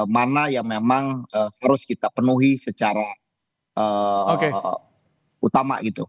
mana yang memang harus kita penuhi secara utama gitu